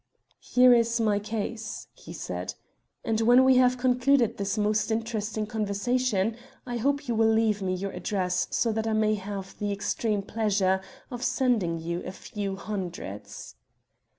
"Here is my case," he said, "and when we have concluded this most interesting conversation I hope you will leave me your address, so that I may have the extreme pleasure of sending you a few hundreds."